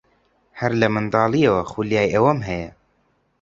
هەر لە منداڵییەوە خولیای ئەوەم هەیە.